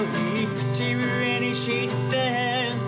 「口笛にして」